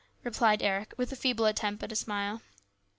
replied Eric with a feeble attempt at a smile.